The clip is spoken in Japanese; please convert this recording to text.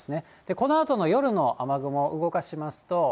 このあとの夜の雨雲動かしますと。